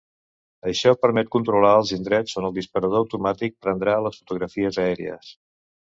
Això permet controlar els indrets on el disparador automàtic prendrà les fotografies aèries.